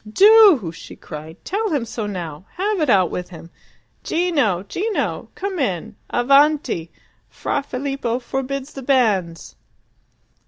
"Do," she cried. "Tell him so now. Have it out with him. Gino! Gino! Come in! Avanti! Fra Filippo forbids the banns!"